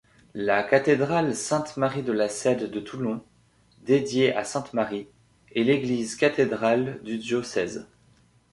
La cathédrale Sainte-Marie-de-la-Seds de Toulon, dédiée à sainte Marie, est l'église cathédrale du diocèse.